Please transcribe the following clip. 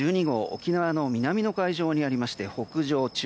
沖縄の南の海上にありまして北上中。